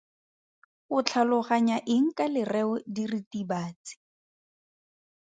O tlhaloganya eng ka lereo diritibatsi?